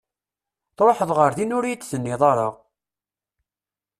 Tṛuḥeḍ ɣer din ur iyi-d-tenniḍ ara!